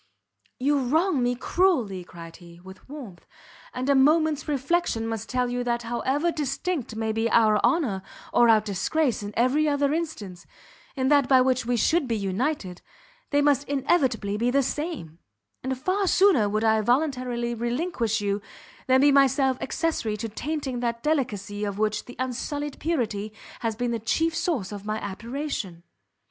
"You wrong me cruelly," cried he, with warmth, "and a moment's reflection must tell you that however distinct may be our honour or our disgrace in every other instance, in that by which we should be united, they must inevitably be the same; and far sooner would I voluntarily relinquish you, than be myself accessory to tainting that delicacy of which the unsullied purity has been the chief source of my admiration."